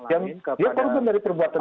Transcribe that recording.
yang dia korban dari perbuatan